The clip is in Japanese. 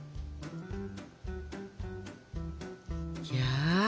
いや。